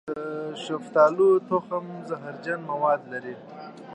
د شفتالو تخم زهرجن مواد لري.